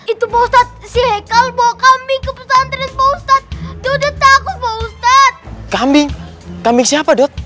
itu baustad si aikal bawa kambing ke pustantrin